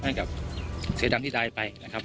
ให้กับเสือดำที่ได้ไปนะครับ